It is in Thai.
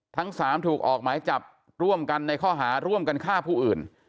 ทั้ง๓ถูกออกหมายจับร่วมกันในข้อหาร่วมกันฆ่าผู้อื่น